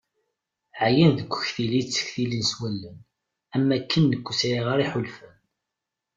Ɛyan deg uktli iyi-ttektilin s wallen am wakken nekk ur sɛiɣ ara iḥulfan.